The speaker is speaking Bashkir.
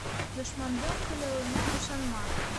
Дошмандың көлөүенә ышанма.